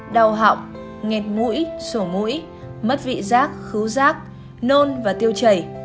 đau họng nghẹt mũi sổ mũi mất vị giác khứu rác nôn và tiêu chảy